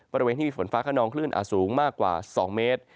บริเวณที่มีฝนฟ้าขนองคลื่นอาจสูงมากกว่า๒เมตร